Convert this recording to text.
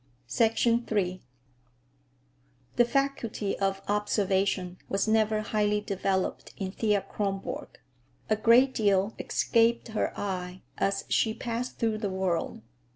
III The faculty of observation was never highly developed in Thea Kronborg. A great deal escaped her eye as she passed through the world.